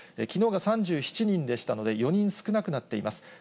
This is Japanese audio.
きのうが３７人でしたので、４人少なくなっています。